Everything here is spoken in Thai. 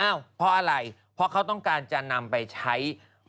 เพราะอะไรเพราะเขาต้องการจะนำไปใช้